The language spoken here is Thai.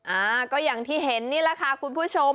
อ่าก็อย่างที่เห็นนี่แหละค่ะคุณผู้ชม